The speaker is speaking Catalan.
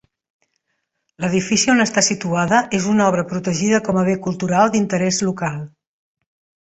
L'edifici on està situada és una obra protegida com a Bé Cultural d'Interès Local.